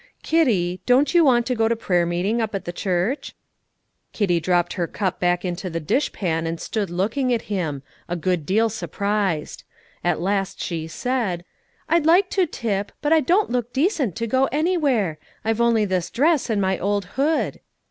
"Kitty, don't you want to go to prayer meeting up at the church?" Kitty dropped her cup back into the dish pan and stood looking at him, a good deal surprised. At last she said, "I'd like to, Tip, but I don't look decent to go anywhere. I've only this dress and my old hood."